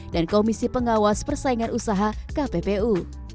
dan komisi pengawas persaingan usaha kppu